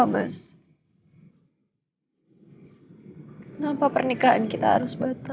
kenapa pernikahan kita harus betul